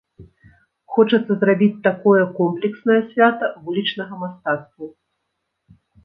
Хочацца зрабіць такое комплекснае свята вулічнага мастацтва.